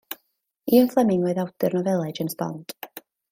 Ian Fleming oedd awdur nofelau James Bond.